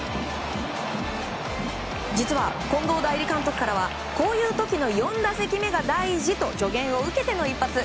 実は近藤代理監督からはこういう時の４打席目が大事だと助言を受けての一発。